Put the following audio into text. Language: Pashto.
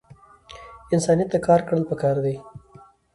انسانیت ته کار کړل پکار دے